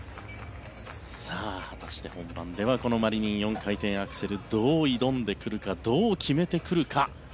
本番ではマリニン４回転アクセルをどう挑んでくるかどう決めてくるか。